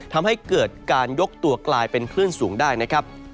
ทำให้เกิดการยกตัวกลายเป็นคลื่นสูงได้นะครับ